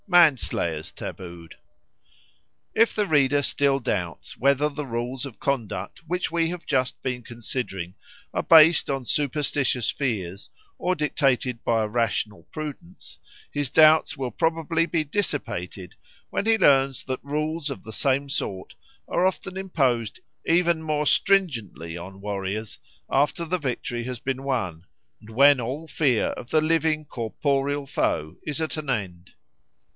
Manslayers tabooed IF THE READER still doubts whether the rules of conduct which we have just been considering are based on superstitious fears or dictated by a rational prudence, his doubts will probably be dissipated when he learns that rules of the same sort are often imposed even more stringently on warriors after the victory has been won and when all fear of the living corporeal foe is at an end.